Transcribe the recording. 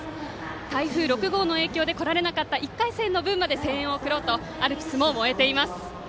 台風６号の影響で来られなかった１回戦の分まで応援しようとアルプスも燃えています。